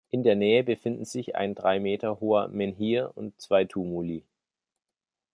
In der Nähe befinden sich ein drei Meter hoher Menhir und zwei Tumuli.